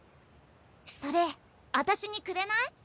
それあたしにくれない？